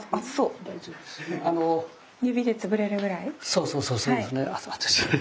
そうそうそうそうですね。